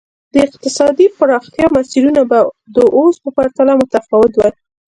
اقتصادي پراختیا مسیرونه به د اوس په پرتله متفاوت وای.